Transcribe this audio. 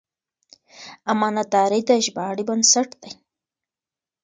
امانتداري د ژباړې بنسټ دی.